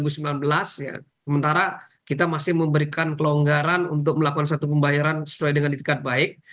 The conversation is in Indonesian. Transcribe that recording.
sementara kita masih memberikan kelonggaran untuk melakukan satu pembayaran sesuai dengan itikat baik